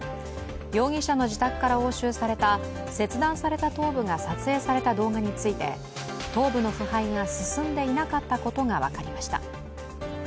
容疑者の自宅から押収された切断された頭部が撮影された動画について、頭部の腐敗が進んでいなかったことが分かりました。